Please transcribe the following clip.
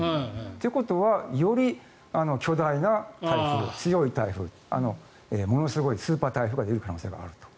ということはより巨大な強い台風ものすごいスーパー台風が出る可能性があると。